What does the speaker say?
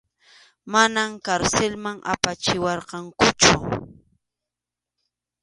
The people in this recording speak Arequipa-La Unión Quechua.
Mana karsilman apachiwarqankuchu.